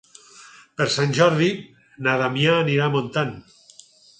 Per Sant Jordi na Damià anirà a Montant.